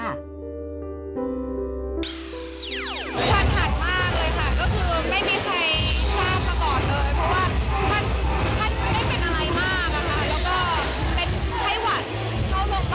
ผ่านขัดมากเลยค่ะ